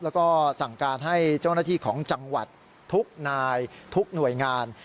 แล้วก็สั่งการให้เจ้าหน้าที่ของจังหวัดทุกนายทุกหน่วยงาน